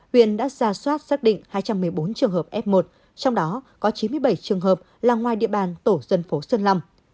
huyện đã ra soát xác định hai trăm một mươi bốn trường hợp f một trong đó có chín mươi bảy trường hợp là ngoài địa bàn tổ dân phố xuân lâm